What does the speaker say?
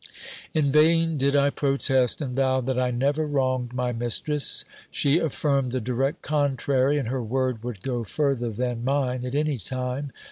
In vain did I protest and vow that I never wronged my mistress : she affirmed the direct contrary, and her word would go further than mine at any time.